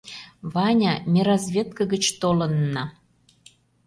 Ваня, ме разведка гыч толынна.